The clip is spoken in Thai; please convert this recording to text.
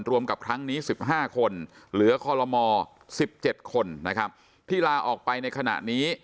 รวมกับครั้งนี้๑๕คนเหลือคอลโลม๑๗คนนะครับที่ลาออกไปในขณะนี้